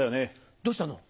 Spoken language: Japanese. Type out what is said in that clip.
どうしたの？